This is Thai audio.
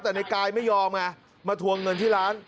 แต่ในกายไม่ยอมไงมาทวงเงินที่ร้าน